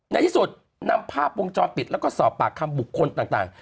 ในที่สุดนำภาพวงจรปิดแล้วก็สอบปากคำบุคคลต่าง